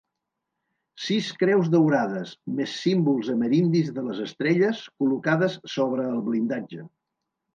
Sis creus daurades, més símbols amerindis de les estrelles, col·locades sobre el blindatge.